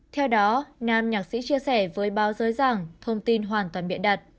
theo đó nam nhạc sĩ chia sẻ với báo giới rằng thông tin hoàn toàn biện đặt